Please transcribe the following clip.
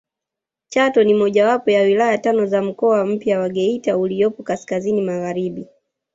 Chato ni mojawapo ya wilaya tano za mkoa mpya wa Geita uliopo kaskazini magharibi